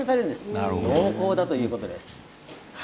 味は濃厚だということです。